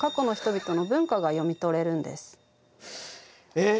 え？